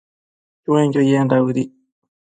Chuenquio yendac bëdic